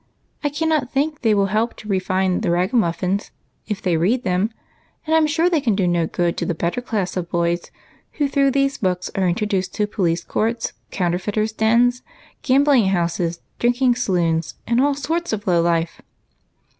I cannot think they will help to refine the ragamuflfins, if they read them, and I 'm sure they can do no good to tlie better class of boys, who through these books are introduced to police courts, counterfeiters' dens, gam bling houses, drinking saloons, and all sorts of low life."